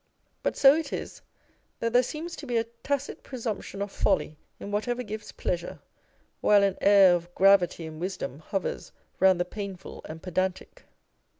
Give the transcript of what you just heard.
But so it is that there seems to be a tacit presumption of folly in whatever gives pleasure ; while an air of gravity and wisdom hovers round the painful and pedantic